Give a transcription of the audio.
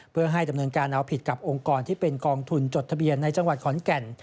เพื่อให้ดำเนินการเอาผิดกับองค์กรที่เป็นกองทุนจดทะเบียนในจังหวัดขอนแก่น